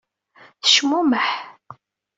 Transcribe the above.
Tecmummeḥ.